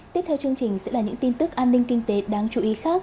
tiếp theo chương trình sẽ là những tin tức an ninh kinh tế đáng chú ý khác